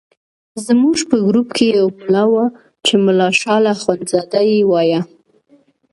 زموږ په ګروپ کې یو ملا وو چې ملا شال اخندزاده یې وایه.